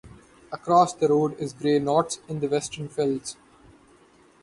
Across the road is Grey Knotts in the Western Fells.